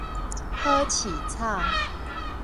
好市草